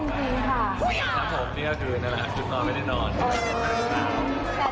แต่ที่เด่นกว่าชุดนั้นคือซ่อยเตอร์แหงเตอร์เนาะ